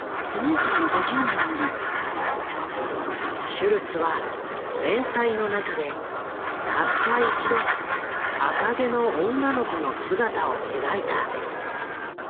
シュルツは連載の中でたった一度赤毛の女の子の姿を描いた。